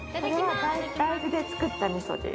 大豆で作った味噌です。